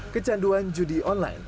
kecanduan judi online